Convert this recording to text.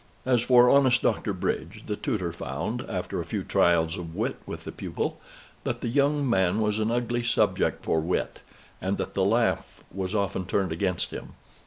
As for honest Doctor Bridge, the tutor found, after a few trials of wit with the pupil, that the young man was an ugly subject for wit, and that the laugh was often turned against him.